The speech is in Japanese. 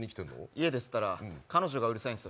家で吸ったら彼女がうるさいんです。